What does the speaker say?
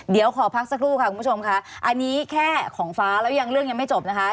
เดี๋ยวขอพักสักครู่ค่ะคุณผู้ชมค่ะอันนี้แค่ของฟ้าแล้วยังเรื่องยังไม่จบนะคะ